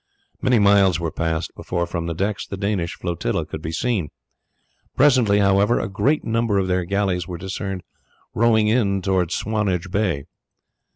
Many miles were passed before, from the decks, the Danish flotilla could be seen. Presently, however, a great number of their galleys were discerned rowing in towards Swanage Bay.